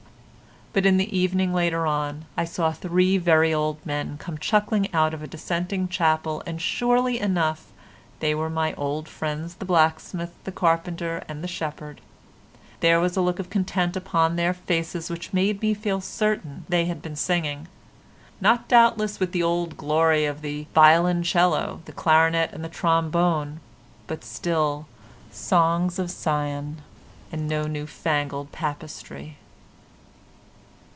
But in the evening later on I saw three very old men come chuckling out of a dissenting chapel, and surely enough they were my old friends the blacksmith, the carpenter and the shepherd. There was a look of content upon their faces which made me feel certain they had been singing; not doubtless with the old glory of the violoncello, the clarinet and the trombone, but still songs of Sion and no new fangled papistry.